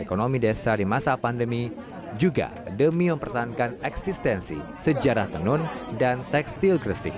ekonomi desa di masa pandemi juga demi mempertahankan eksistensi sejarah tenun dan tekstil gresik